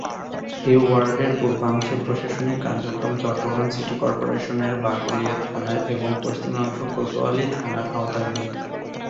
এ ওয়ার্ডের পূর্বাংশের প্রশাসনিক কার্যক্রম চট্টগ্রাম সিটি কর্পোরেশনের বাকলিয়া থানার এবং পশ্চিমাংশ কোতোয়ালী থানার আওতাধীন।